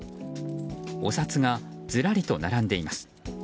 お札がずらりと並んでいます。